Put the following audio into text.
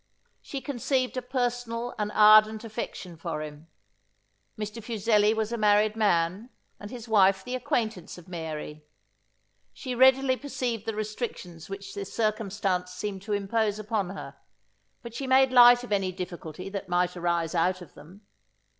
She conceived a personal and ardent affection for him. Mr. Fuseli was a married man, and his wife the acquaintance of Mary. She readily perceived the restrictions which this circumstance seemed to impose upon her; but she made light of any difficulty that might arise out of them.